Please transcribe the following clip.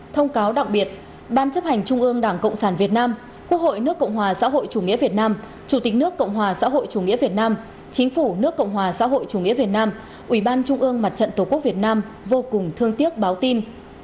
thông cáo đặc biệt ban chấp hành trung ương đảng cộng sản việt nam quốc hội nước cộng hòa xã hội chủ nghĩa việt nam chủ tịch nước cộng hòa xã hội chủ nghĩa việt nam chính phủ nước cộng hòa xã hội chủ nghĩa việt nam ủy ban trung ương mặt trận tổ quốc việt nam vô cùng thương tiếc báo tin